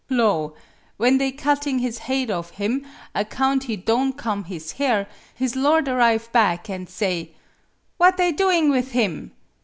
Lo! when they cutting his hade off him, account he don' comb his hair, his lord arrive back, an' say, ' What they doing with him